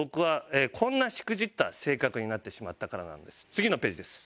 次のページです。